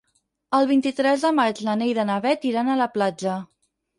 El vint-i-tres de maig na Neida i na Bet iran a la platja.